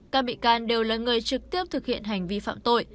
các bị can đều là người trực tiếp thực hiện hành vi phạm tội